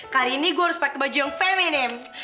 kali ini gue harus pakai baju yang feminim